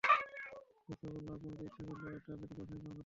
মূসা বলল, আপনি তো ইচ্ছে করলে এটার জন্য পারিশ্রমিক গ্রহণ করতে পারতেন।